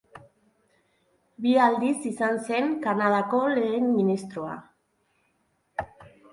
Bi aldiz izan zen Kanadako Lehen Ministroa.